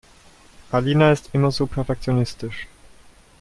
Alina ist immer so perfektionistisch.